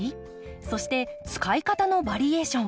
そして使い方のバリエーション。